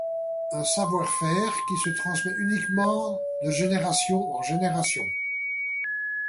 Un savoir-faire qui se transmet uniquement de génération en génération.